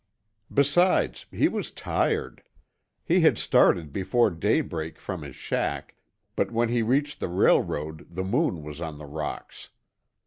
Besides, he was tired; he had started before daybreak from his shack, but when he reached the railroad the moon was on the rocks.